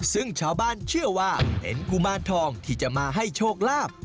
ซึ่งชาวบ้านเชื่อว่าเป็นกุมารทองที่จะมาให้โชคลาภ